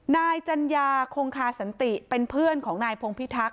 นายจัญญาคงคาสันติเป็นเพื่อนของนายพงพิทักษ